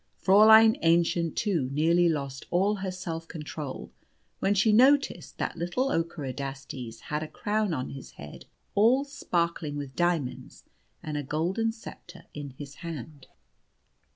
Fräulein Aennchen, too, nearly lost all her self control when she noticed that little Ockerodastes had a crown on his head all sparkling with diamonds, and a golden sceptre in his hand.